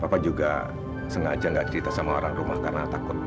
bapak juga sengaja nggak cerita sama orang rumah karena takut